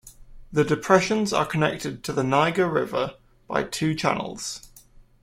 The depressions are connected to the Niger River by two channels.